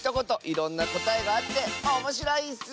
いろんなこたえがあっておもしろいッス！